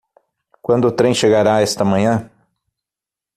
Quando o trem chegará esta manhã?